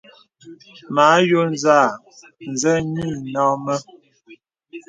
Mə àyɔ̄ɔ̄ zàà, zê yì nɔ̂ mə.